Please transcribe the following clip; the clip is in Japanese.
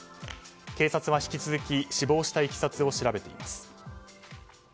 警察は引き続き死亡したいきさつを調べています。